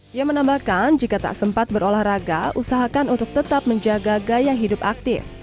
dia menambahkan jika tak sempat berolahraga usahakan untuk tetap menjaga gaya hidup aktif